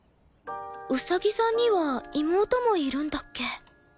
ウサギさんには妹もいるんだっけ